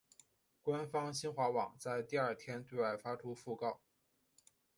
官方新华网在第二天对外发出讣告。